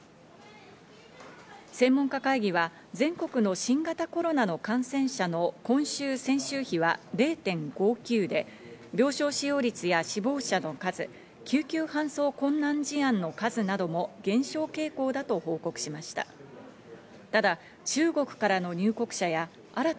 専門家会議は全国の新型コロナの感染者の今週先週比は０．５９で、病床使用率や死亡者の数、救急搬送困難事案の数なども減少傾向だと報告しました。